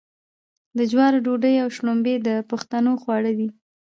د جوارو ډوډۍ او شړومبې د پښتنو خواړه دي.